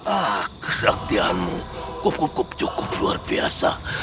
ah kesaktianmu cukup luar biasa